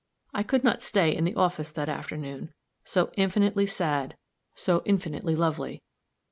I could not stay in the office that afternoon, so infinitely sad, so infinitely lovely.